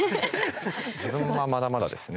自分はまだまだですね。